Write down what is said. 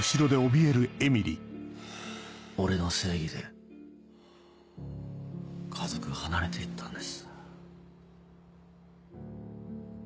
ハァ俺の正義で家族が離れていったんです。